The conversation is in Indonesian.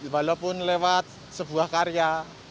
walaupun lewat sebuah karya